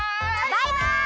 バイバイ！